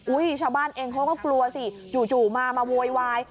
ชาวบ้านเองเขาก็กลัวสิจู่มามาโวยวาย